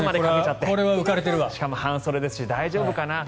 しかも半袖ですし大丈夫かな？